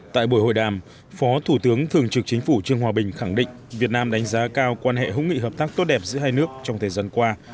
tại buổi hội đàm phó thủ tướng thường trực chính phủ trương hòa bình khẳng định việt nam đánh giá cao quan hệ hữu nghị hợp tác tốt đẹp giữa hai nước trong thời gian qua